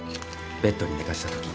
ベッドに寝かせたとき。